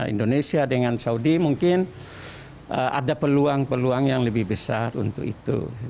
indonesia dengan saudi mungkin ada peluang peluang yang lebih besar untuk itu